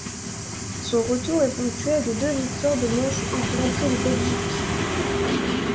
Son retour est ponctué de deux victoires de manches au grand prix de Belgique.